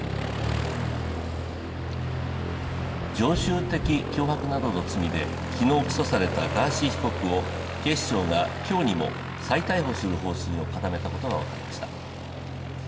常習的脅迫などの罪で昨日、起訴されたガーシー被告を警視庁が今日にも再逮捕する方針を固めたことが分かりました。